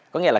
có nghĩa là